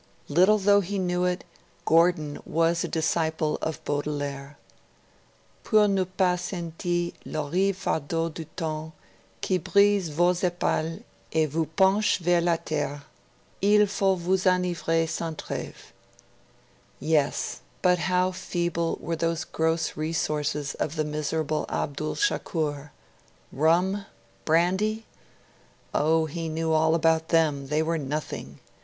Little though he knew it, Gordon was a disciple of Baudelaire. 'Pour ne pas sentir l'horrible fardeau du Temps qui brise vos epaules et vous penche vers la terre, il faut vous enivrer sans treve.' Yes but how feeble were those gross resources of the miserable Abdul Shakur! Rum? Brandy? Oh, he knew all about them; they were nothing.